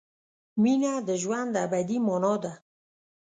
مینه د ژوند ابدي مانا ده.